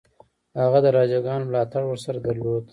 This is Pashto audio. هغه د راجاګانو ملاتړ ورسره درلود.